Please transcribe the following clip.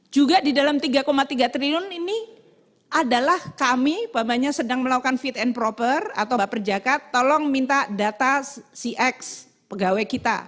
juga di dalam tiga tiga triliun ini adalah kami sedang melakukan fit and proper atau baper jaka tolong minta data cx pegawai kita